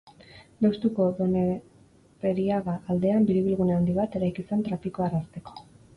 Deustuko Doneperiaga aldean biribilgune handi bat eraiki zen trafikoa errazteko.